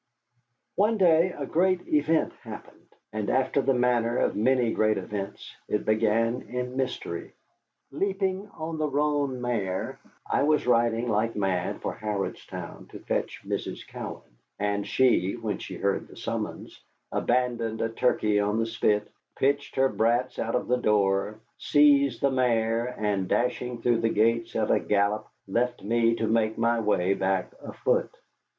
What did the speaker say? One day a great event happened, and after the manner of many great events, it began in mystery. Leaping on the roan mare, I was riding like mad for Harrodstown to fetch Mrs. Cowan. And she, when she heard the summons, abandoned a turkey on the spit, pitched her brats out of the door, seized the mare, and dashing through the gates at a gallop left me to make my way back afoot.